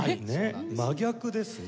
真逆ですね。